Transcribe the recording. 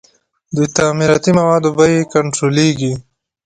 د تعمیراتي موادو بیې کنټرولیږي؟